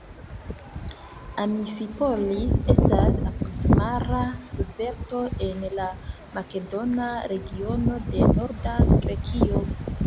Amfipolis estas apudmara urbeto en la makedona regiono de norda Grekio.